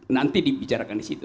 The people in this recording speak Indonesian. nanti dibicarakan di situ